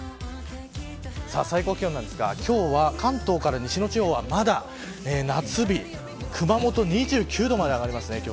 最高気温なんですが、今日は関東から西の地方はまだ夏日熊本２９度まで上がります。